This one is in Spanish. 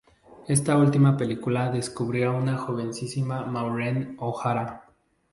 Esta última película descubrió a una jovencísima Maureen O'Hara.